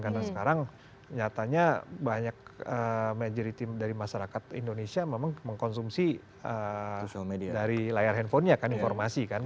karena sekarang nyatanya banyak majority dari masyarakat indonesia memang mengkonsumsi dari layar handphonenya kan informasi kan